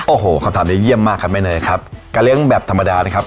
โอ้โหคำถามนี้เยี่ยมมากครับแม่เนยครับการเลี้ยงแบบธรรมดานะครับ